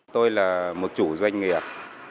tôi là một chủ doanh nghiệp